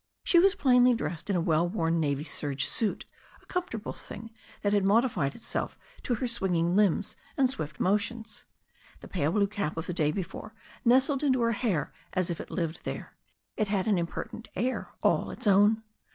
She was plainly dressed in a well worn navy serge suit, a comfortable thing that had modified itself to her swinging limbs and swift motions. The pale blue cap of the day be fore nestled into her hair as if it lived there. It had an impertinent air all its own.